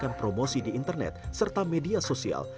yang promosi di internet serta media sosial